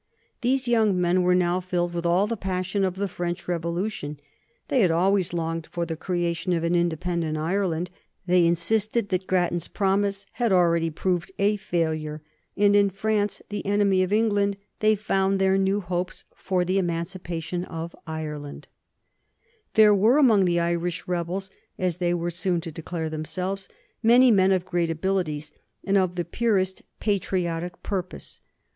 These young men were now filled with all the passion of the French Revolution; they had always longed for the creation of an independent Ireland; they insisted that Grattan's compromise had already proved a failure, and in France, the enemy of England, they found their new hopes for the emancipation of Ireland. [Sidenote: 1791 The United Irishmen] There were among the Irish rebels, as they were soon to declare themselves, many men of great abilities and of the purest patriotic purpose.